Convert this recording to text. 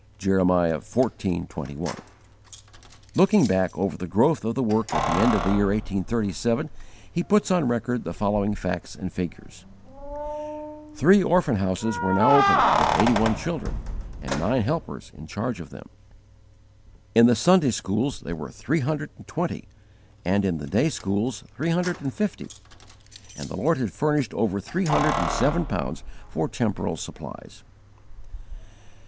"_Comp. Numbers xiv. 13 19; 1 Kings xix. 10; Jer. xiv. 21. Looking back over the growth of the work at the end of the year 1837, he puts on record the following facts and figures: Three orphan houses were now open with eighty one children, and nine helpers in charge of them. In the Sunday schools there were three hundred and twenty, and in the day schools three hundred and fifty; and the Lord had furnished over three hundred and seven pounds for temporal supplies.